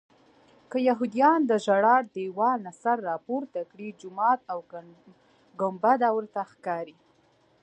که یهودیان د ژړا دیوال نه سر راپورته کړي جومات او ګنبده ورته ښکاري.